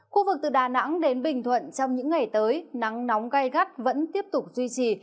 khu vực từ đà nẵng đến bình thuận trong những ngày tới nắng nóng gai gắt vẫn tiếp tục duy trì